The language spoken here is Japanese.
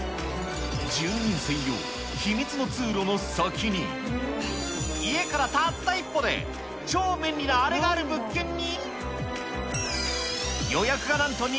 住人専用、秘密の通路の先に、家からたった１歩で、超便利なあれがある物件に。